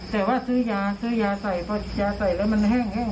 แต่ว่าซื้อยาซื้อยาใส่พอยาใส่แล้วมันแห้ง